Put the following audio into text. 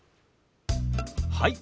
はい。